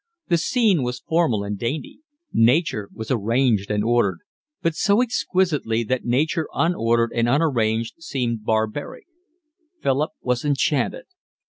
The scene was formal and dainty; nature was arranged and ordered, but so exquisitely, that nature unordered and unarranged seemed barbaric. Philip was enchanted.